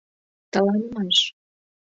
ТЫЛАНЫМАШ